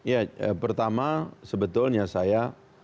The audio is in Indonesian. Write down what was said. ya pertama sebetulnya saya